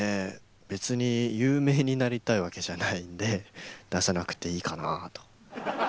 別に有名になりたいわけじゃないんで出さなくていいかなと。